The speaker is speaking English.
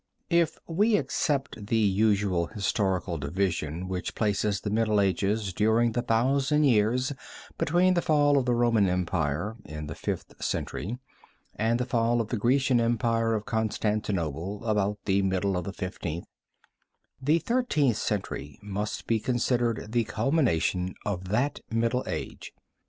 If we accept the usual historical division which places the Middle Ages during the thousand years between the fall of the Roman Empire, in the Fifth Century and the fall of the Grecian Empire of Constantinople, about the middle of the Fifteenth, the Thirteenth Century must be considered the culmination of that middle age.